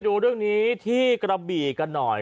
ดูเรื่องนี้ที่กระบี่กันหน่อย